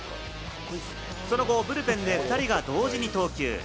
その後ブルペンで２人が同時に投球。